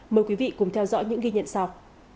mời quý vị cùng theo dõi những ghi nhận sau